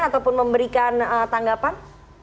ataupun memberikan tanggapan